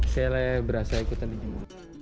sele berasa ikutan dijemur